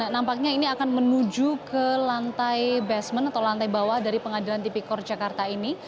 nampaknya ini akan menuju ke lantai basement atau lantai bawah dari pengadilan tipikor jakarta ini